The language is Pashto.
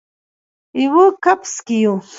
یوه کپس کې یو